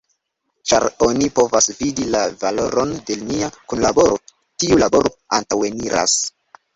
Ĉar oni povas vidi la valoron de nia kunlaboro, tiu laboro antaŭeniras.